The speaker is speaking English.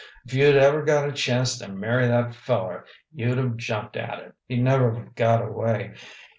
'F you'd ever got a chance to marry that feller, you'd 've jumped at it. He'd never've got away.